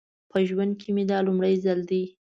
په ژوند کې مې دا لومړی ځل دی.